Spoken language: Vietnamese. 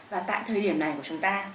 và tại thời điểm này của chúng ta